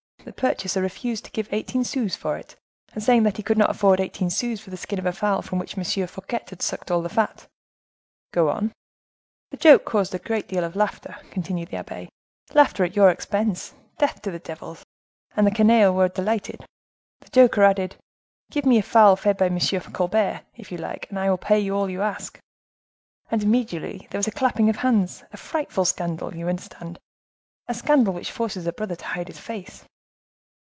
The purchaser refused to give eighteen sous for it, saying that he could not afford eighteen sous for the skin of a fowl from which M. Fouquet had sucked all the fat." "Go on." "The joke caused a deal of laughter," continued the abbe; "laughter at your expense, death to the devils! and the canaille were delighted. The joker added, 'Give me a fowl fed by M. Colbert, if you like! and I will pay all you ask.' And immediately there was a clapping of hands. A frightful scandal! you understand; a scandal which forces a brother to hide his face."